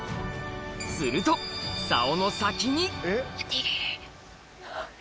すると竿の先に！